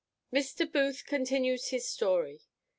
_Mr. Booth continues his story.